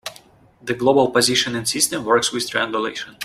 The global positioning system works with triangulation.